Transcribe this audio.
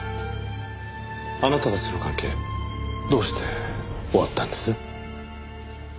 あなたたちの関係どうして終わったんです？